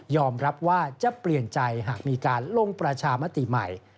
รับว่าจะเปลี่ยนใจหากมีการลงประชามติใหม่